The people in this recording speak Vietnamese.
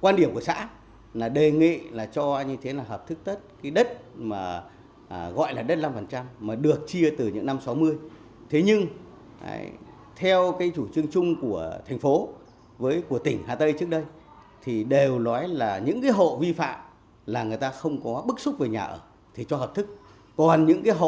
quan điểm của chúng tôi là chúng tôi không có thể xây dựng các công trình dự án trái phép trên đất nông nghiệp ở địa phương này